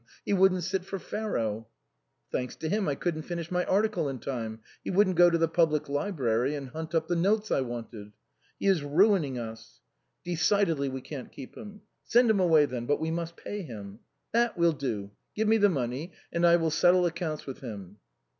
He wouldn't sit for Pharaoh," " Thanks to him, I couldn't finish my article in time. He wouldn't go to the public library and hunt up the notes I wanted." " He is ruining us." " Decidedly we can't keep him." " Send him away then ! But we must pay him." " That we'll do. Give me the money, and I will settle accounts with him."